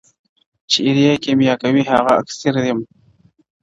چي ایرې کېمیا کوي هغه اکسیر یم.!